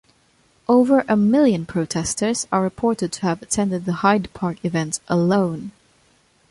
Over a million protesters are reported to have attended the Hyde Park event alone.